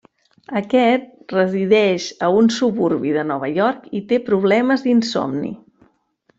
Aquest resideix a un suburbi de Nova York i té problemes d'insomni.